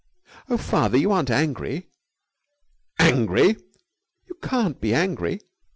"Oh, father! You aren't angry." "Angry!" "You can't be angry!"